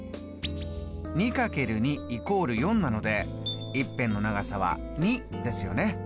２×２＝４なので１辺の長さは２ですよね。